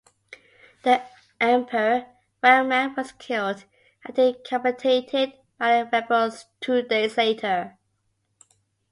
The emperor, Wang Mang was killed and decapitated by the rebels two days later.